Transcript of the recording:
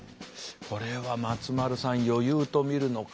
これは松丸さん余裕と見るのか。